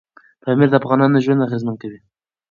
پامیر د افغانانو ژوند اغېزمن کوي.